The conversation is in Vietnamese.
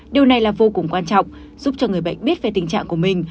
điều này là vô cùng quan trọng giúp cho người bệnh biết về tình trạng của mình